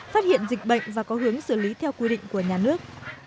phát hiện dịch bệnh và có hướng xử lý theo quy định của nhà nước